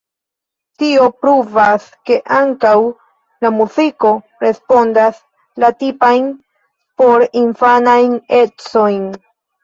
Tio pruvas ke ankaŭ la muziko respondas la tipajn porinfanajn ecojn.